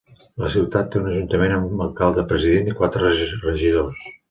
La ciutat té un ajuntament amb un alcalde-president i quatre regidors.